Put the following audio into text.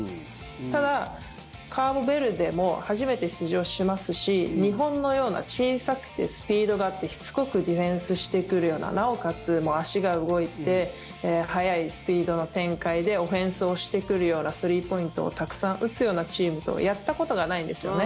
ただ、カーボベルデも初めて出場しますし日本のような小さくてスピードがあってしつこくディフェンスしてくるようななおかつ、足が動いて速いスピードの展開でオフェンスをしてくるようなスリーポイントをたくさん打つようなチームとやったことがないんですよね。